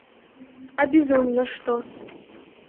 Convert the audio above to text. А бізун на што?